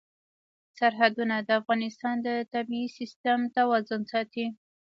سرحدونه د افغانستان د طبعي سیسټم توازن ساتي.